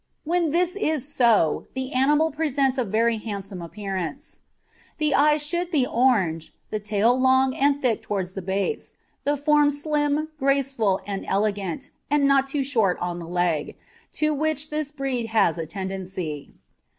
When this is so the animal presents a very handsome appearance. The eyes should be orange, the tail long and thick towards the base, the form slim, graceful, and elegant, and not too short on the leg, to which this breed has a tendency.